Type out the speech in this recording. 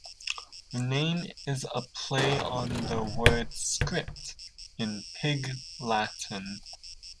The name is a play on the word "script", in Pig Latin.